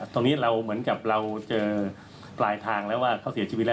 ตรงนี้เราเหมือนกับเราเจอปลายทางแล้วว่าเขาเสียชีวิตแล้ว